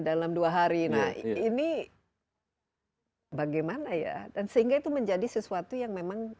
dalam dua hari nah ini bagaimana ya dan sehingga itu menjadi sesuatu yang memang